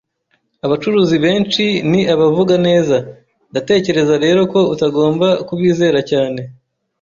Abacuruzi benshi ni abavuga neza, ndatekereza rero ko utagomba kubizera cyane.